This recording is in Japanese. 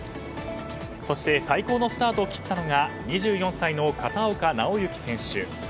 そして最高のスタートを切ったのが２４歳の片岡尚之選手。